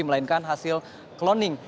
melainkan hasil cloning